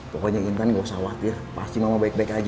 pokoknya intan gak usah khawatir pasti mama baik baik aja